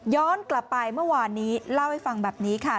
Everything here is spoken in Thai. กลับไปเมื่อวานนี้เล่าให้ฟังแบบนี้ค่ะ